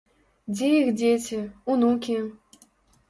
Дзе іх дзеці, унукі?